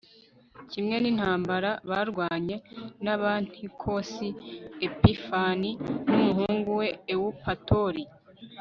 kimwe n'intambara barwanye na antiyokusi epifani n'umuhungu we ewupatori